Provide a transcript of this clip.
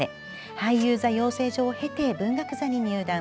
俳優座養成所を経て文学座に入団。